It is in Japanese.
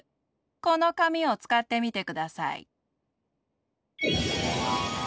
このかみをつかってみてください。